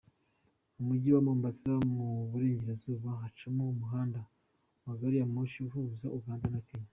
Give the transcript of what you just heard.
Mu Mujyi wa Mombasa mu burengerazuba hacamo umuhanda wa gariyamoshi uhuza Uganda na Kenya.